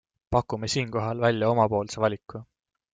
Pakume siinkohal välja omapoolse valiku.